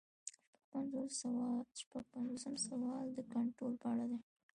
شپږ پنځوسم سوال د کنټرول په اړه دی.